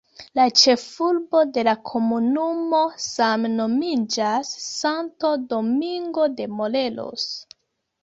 La ĉefurbo de la komunumo same nomiĝas "Santo Domingo de Morelos".